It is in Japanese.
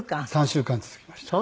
３週間続きました。